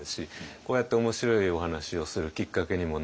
こうやって面白いお話をするきっかけにもなるし。